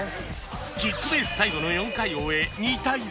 キックベース最後の４回を終え２対０